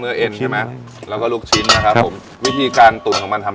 เอ็นใช่ไหมแล้วก็ลูกชิ้นนะครับผมวิธีการตุ๋นของมันทำ